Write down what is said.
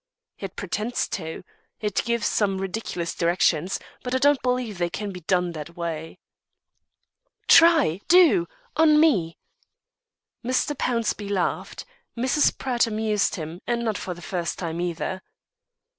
"It pretends to. It gives some ridiculous directions but I don't believe they can be done that way." "Try! do! on me!" Mr. Pownceby laughed. Mrs. Pratt amused him; and not for the first time either.